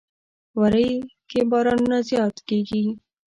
وری کې بارانونه زیات کیږي.